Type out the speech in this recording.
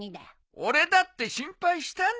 俺だって心配したんだ。